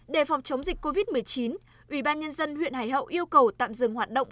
để phòng chống dịch covid một mươi chín ủy ban nhân dân huyện hải hậu yêu cầu tạm dừng hoạt động